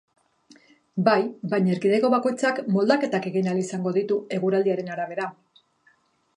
Bai, baina erkidego bakoitzak moldaketak egin ahal izango ditu eguraldiaren arabera.